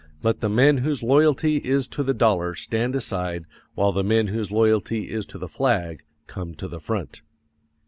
Let the men whose loyalty is to the dollar stand aside while the men whose loyalty is to the flag come to the front.